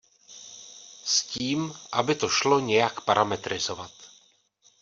S tím, aby to šlo nějak parametrizovat.